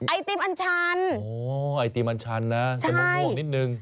ไอติมอัญชันไม่มีแต่มะม่วงนิดนึง